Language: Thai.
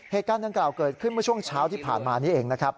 เหตุการณ์ดังกล่าวเกิดขึ้นเมื่อช่วงเช้าที่ผ่านมานี้เองนะครับ